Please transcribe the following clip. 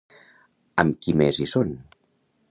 Amb qui més hi són?